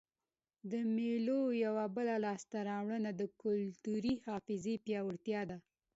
د مېلو یوه بله لاسته راوړنه د کلتوري حافظې پیاوړتیا ده.